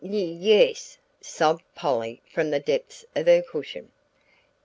"Y yes," sobbed Polly from the depths of her cushion.